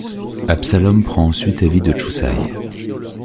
Absalom prend ensuite avis de Chusaï.